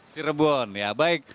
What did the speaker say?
cirebon ya baik